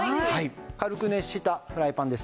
軽く熱したフライパンです。